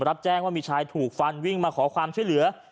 รับแจ้งว่ามีชายถูกฟันวิ่งมาขอความช่วยเหลือ